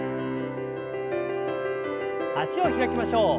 脚を開きましょう。